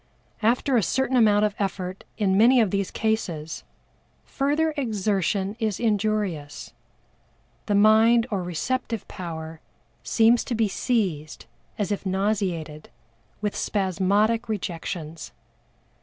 After a certain amount of effort in many of these cases, further exertion is injurious, the mind or receptive power seems to be seized as if nauseated with spasmodic rejections.